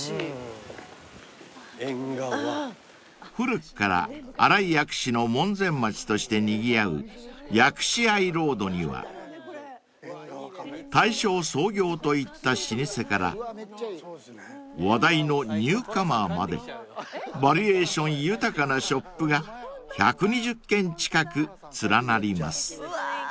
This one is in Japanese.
［古くから新井薬師の門前町としてにぎわう薬師あいロードには大正創業といった老舗から話題のニューカマーまでバリエーション豊かなショップが１２０軒近く連なります］